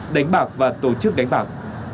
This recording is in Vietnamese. đánh bạc và tổ chức đánh bạc